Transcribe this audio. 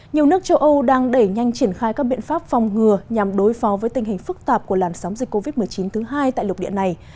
nhiều nước châu âu đang đẩy nhanh triển khai các biện pháp phòng ngừa nhằm đối phó với tình hình phức tạp của làn sóng dịch covid một mươi chín thứ hai tại lục địa này